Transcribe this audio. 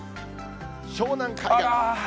湘南海岸。